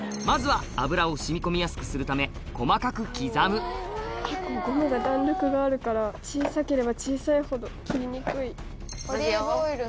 まずは、油をしみこみやすくするため、結構、ゴムが弾力あるから、小さければ小さいほど、切りにくい。